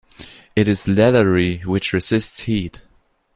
It is leathery which resists heat.